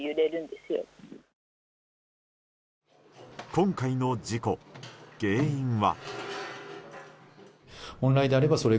今回の事故、原因は。